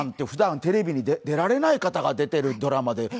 ふだん、テレビに出られない方が出ているドラマで。